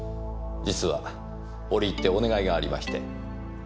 実は折り入ってお願いがありまして。